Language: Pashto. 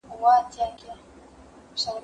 زه کولای سم امادګي ونيسم؟!